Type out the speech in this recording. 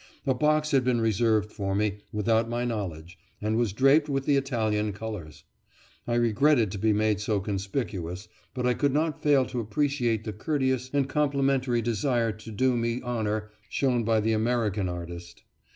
A box had been reserved for me without my knowledge, and was draped with the Italian colours. I regretted to be made so conspicuous, but I could not fail to appreciate the courteous and complimentary desire to do me honour shown by the American artist.